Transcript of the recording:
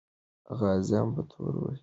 غازیان به توره وهي.